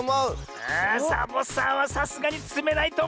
あサボさんはさすがにつめないとおもうな！